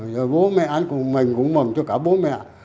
rồi bố mẹ anh của mình cũng mong cho cả bố mẹ